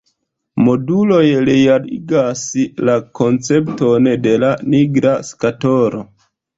Moduloj realigas la koncepton de la nigra skatolo.